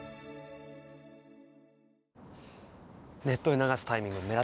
ネットに流すタイミング